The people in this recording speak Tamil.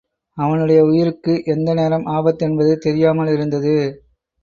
அவனுடைய உயிருக்கு எந்த நேரம் ஆபத்து என்பது தெரியாமலிருந்தது.